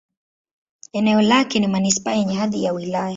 Eneo lake ni manisipaa yenye hadhi ya wilaya.